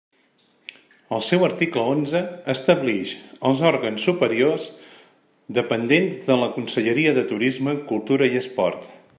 El seu article onze establix els òrgans superiors dependents de la Conselleria de Turisme, Cultura i Esport.